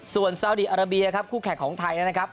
ส่วนซาวดีอาราเบียครับคู่แข่งของไทยนะครับ